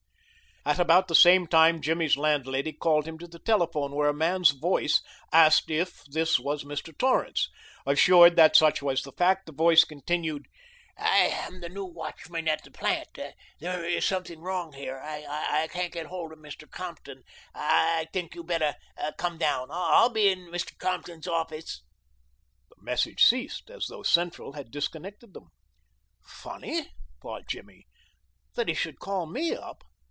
At about the same time Jimmy's landlady called him to the telephone, where a man's voice asked if "this was Mr. Torrance?" Assured that such was the fact, the voice continued: "I am the new watchman at the plant. There's something wrong here. I can't get hold of Mr. Compton. I think you better come down. I'll be in Mr. Compton's office " The message ceased as though central had disconnected them. "Funny," thought Jimmy, "that he should call me up.